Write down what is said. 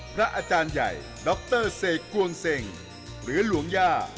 พระอาจารย์ใหญ่ดรเสกกวนเซ็งหรือหลวงย่า